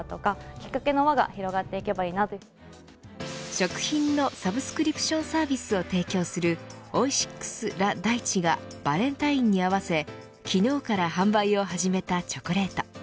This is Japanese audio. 食品のサブスクリプションサービスを提供するオイシックス・ラ・大地がバレンタインに合わせ昨日から販売を始めたチョコレート。